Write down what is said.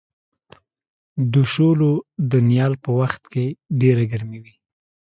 د شولو د نیال په وخت کې ډېره ګرمي وي.